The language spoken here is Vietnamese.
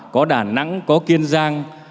có đà nẵng có kiên giang